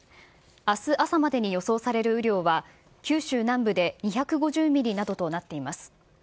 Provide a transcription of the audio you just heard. あす朝までに予想される雨量は、九州南部で２５０ミリなどとなっています。